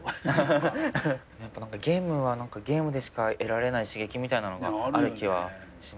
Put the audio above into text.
やっぱゲームはゲームでしか得られない刺激みたいなのがある気はしますね。